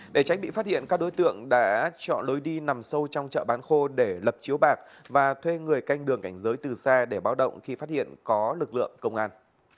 để tránh bị phát hiện các đối tượng đã chọn lối đi nằm sâu trong chợ bán khô để lập chiếu bạc và thuê người canh đường cảnh giới từ xa để báo động khi phát hiện có lực lượng công an